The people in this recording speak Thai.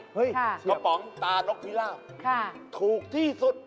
กระป๋องตานกพิราบถูกที่สุด